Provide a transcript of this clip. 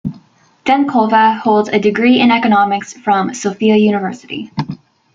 Denkova holds a degree in economics from Sofia University.